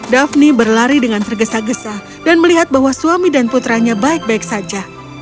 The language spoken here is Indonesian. daphne berlari dengan tergesa gesa dan melihat bahwa suami dan putranya baik baik saja